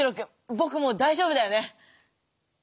ぼくもうだいじょうぶだよね？